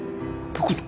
僕の？